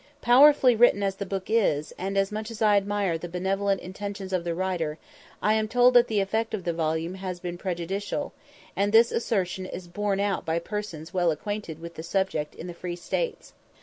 Powerfully written as the book is, and much as I admire the benevolent intentions of the writer, I am told that the effect of the volume has been prejudical, and this assertion is borne out by persons well acquainted with the subject in the free states.